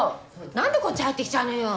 何でこっち入ってきちゃうのよ！